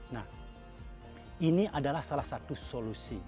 nah ini adalah salah satu solusi